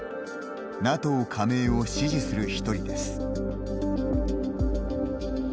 ＮＡＴＯ加盟を支持する１人です。